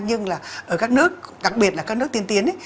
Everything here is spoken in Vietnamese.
nhưng là ở các nước đặc biệt là các nước tiên tiến